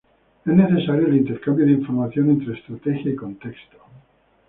Es necesario el intercambio de información entre estrategia y contexto.